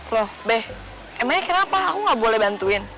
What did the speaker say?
loh be emangnya kenapa aku gak boleh bantuin